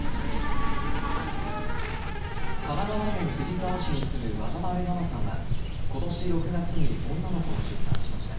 神奈川県藤沢市に住む渡邊奈菜さんは、ことし６月に女の子を出産しました。